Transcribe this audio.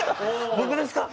僕ですか？